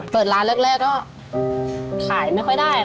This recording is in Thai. เปิดร้านแรกก็ขายไม่ค่อยได้